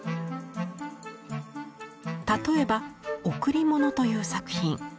例えば「贈り物」という作品。